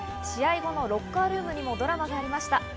試合後のロッカールームにもドラマがありました。